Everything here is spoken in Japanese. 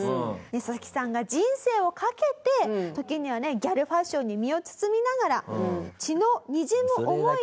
ササキさんが人生をかけて時にはねギャルファッションに身を包みながら血のにじむ思いで。